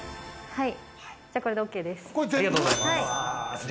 はい。